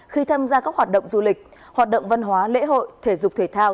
khi tham gia các hoạt động du lịch hoạt động văn hóa lễ hội thể dục thể thao